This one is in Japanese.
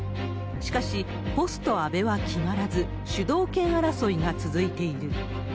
しかし、ポスト安倍は決まらず、主導権争いが続いている。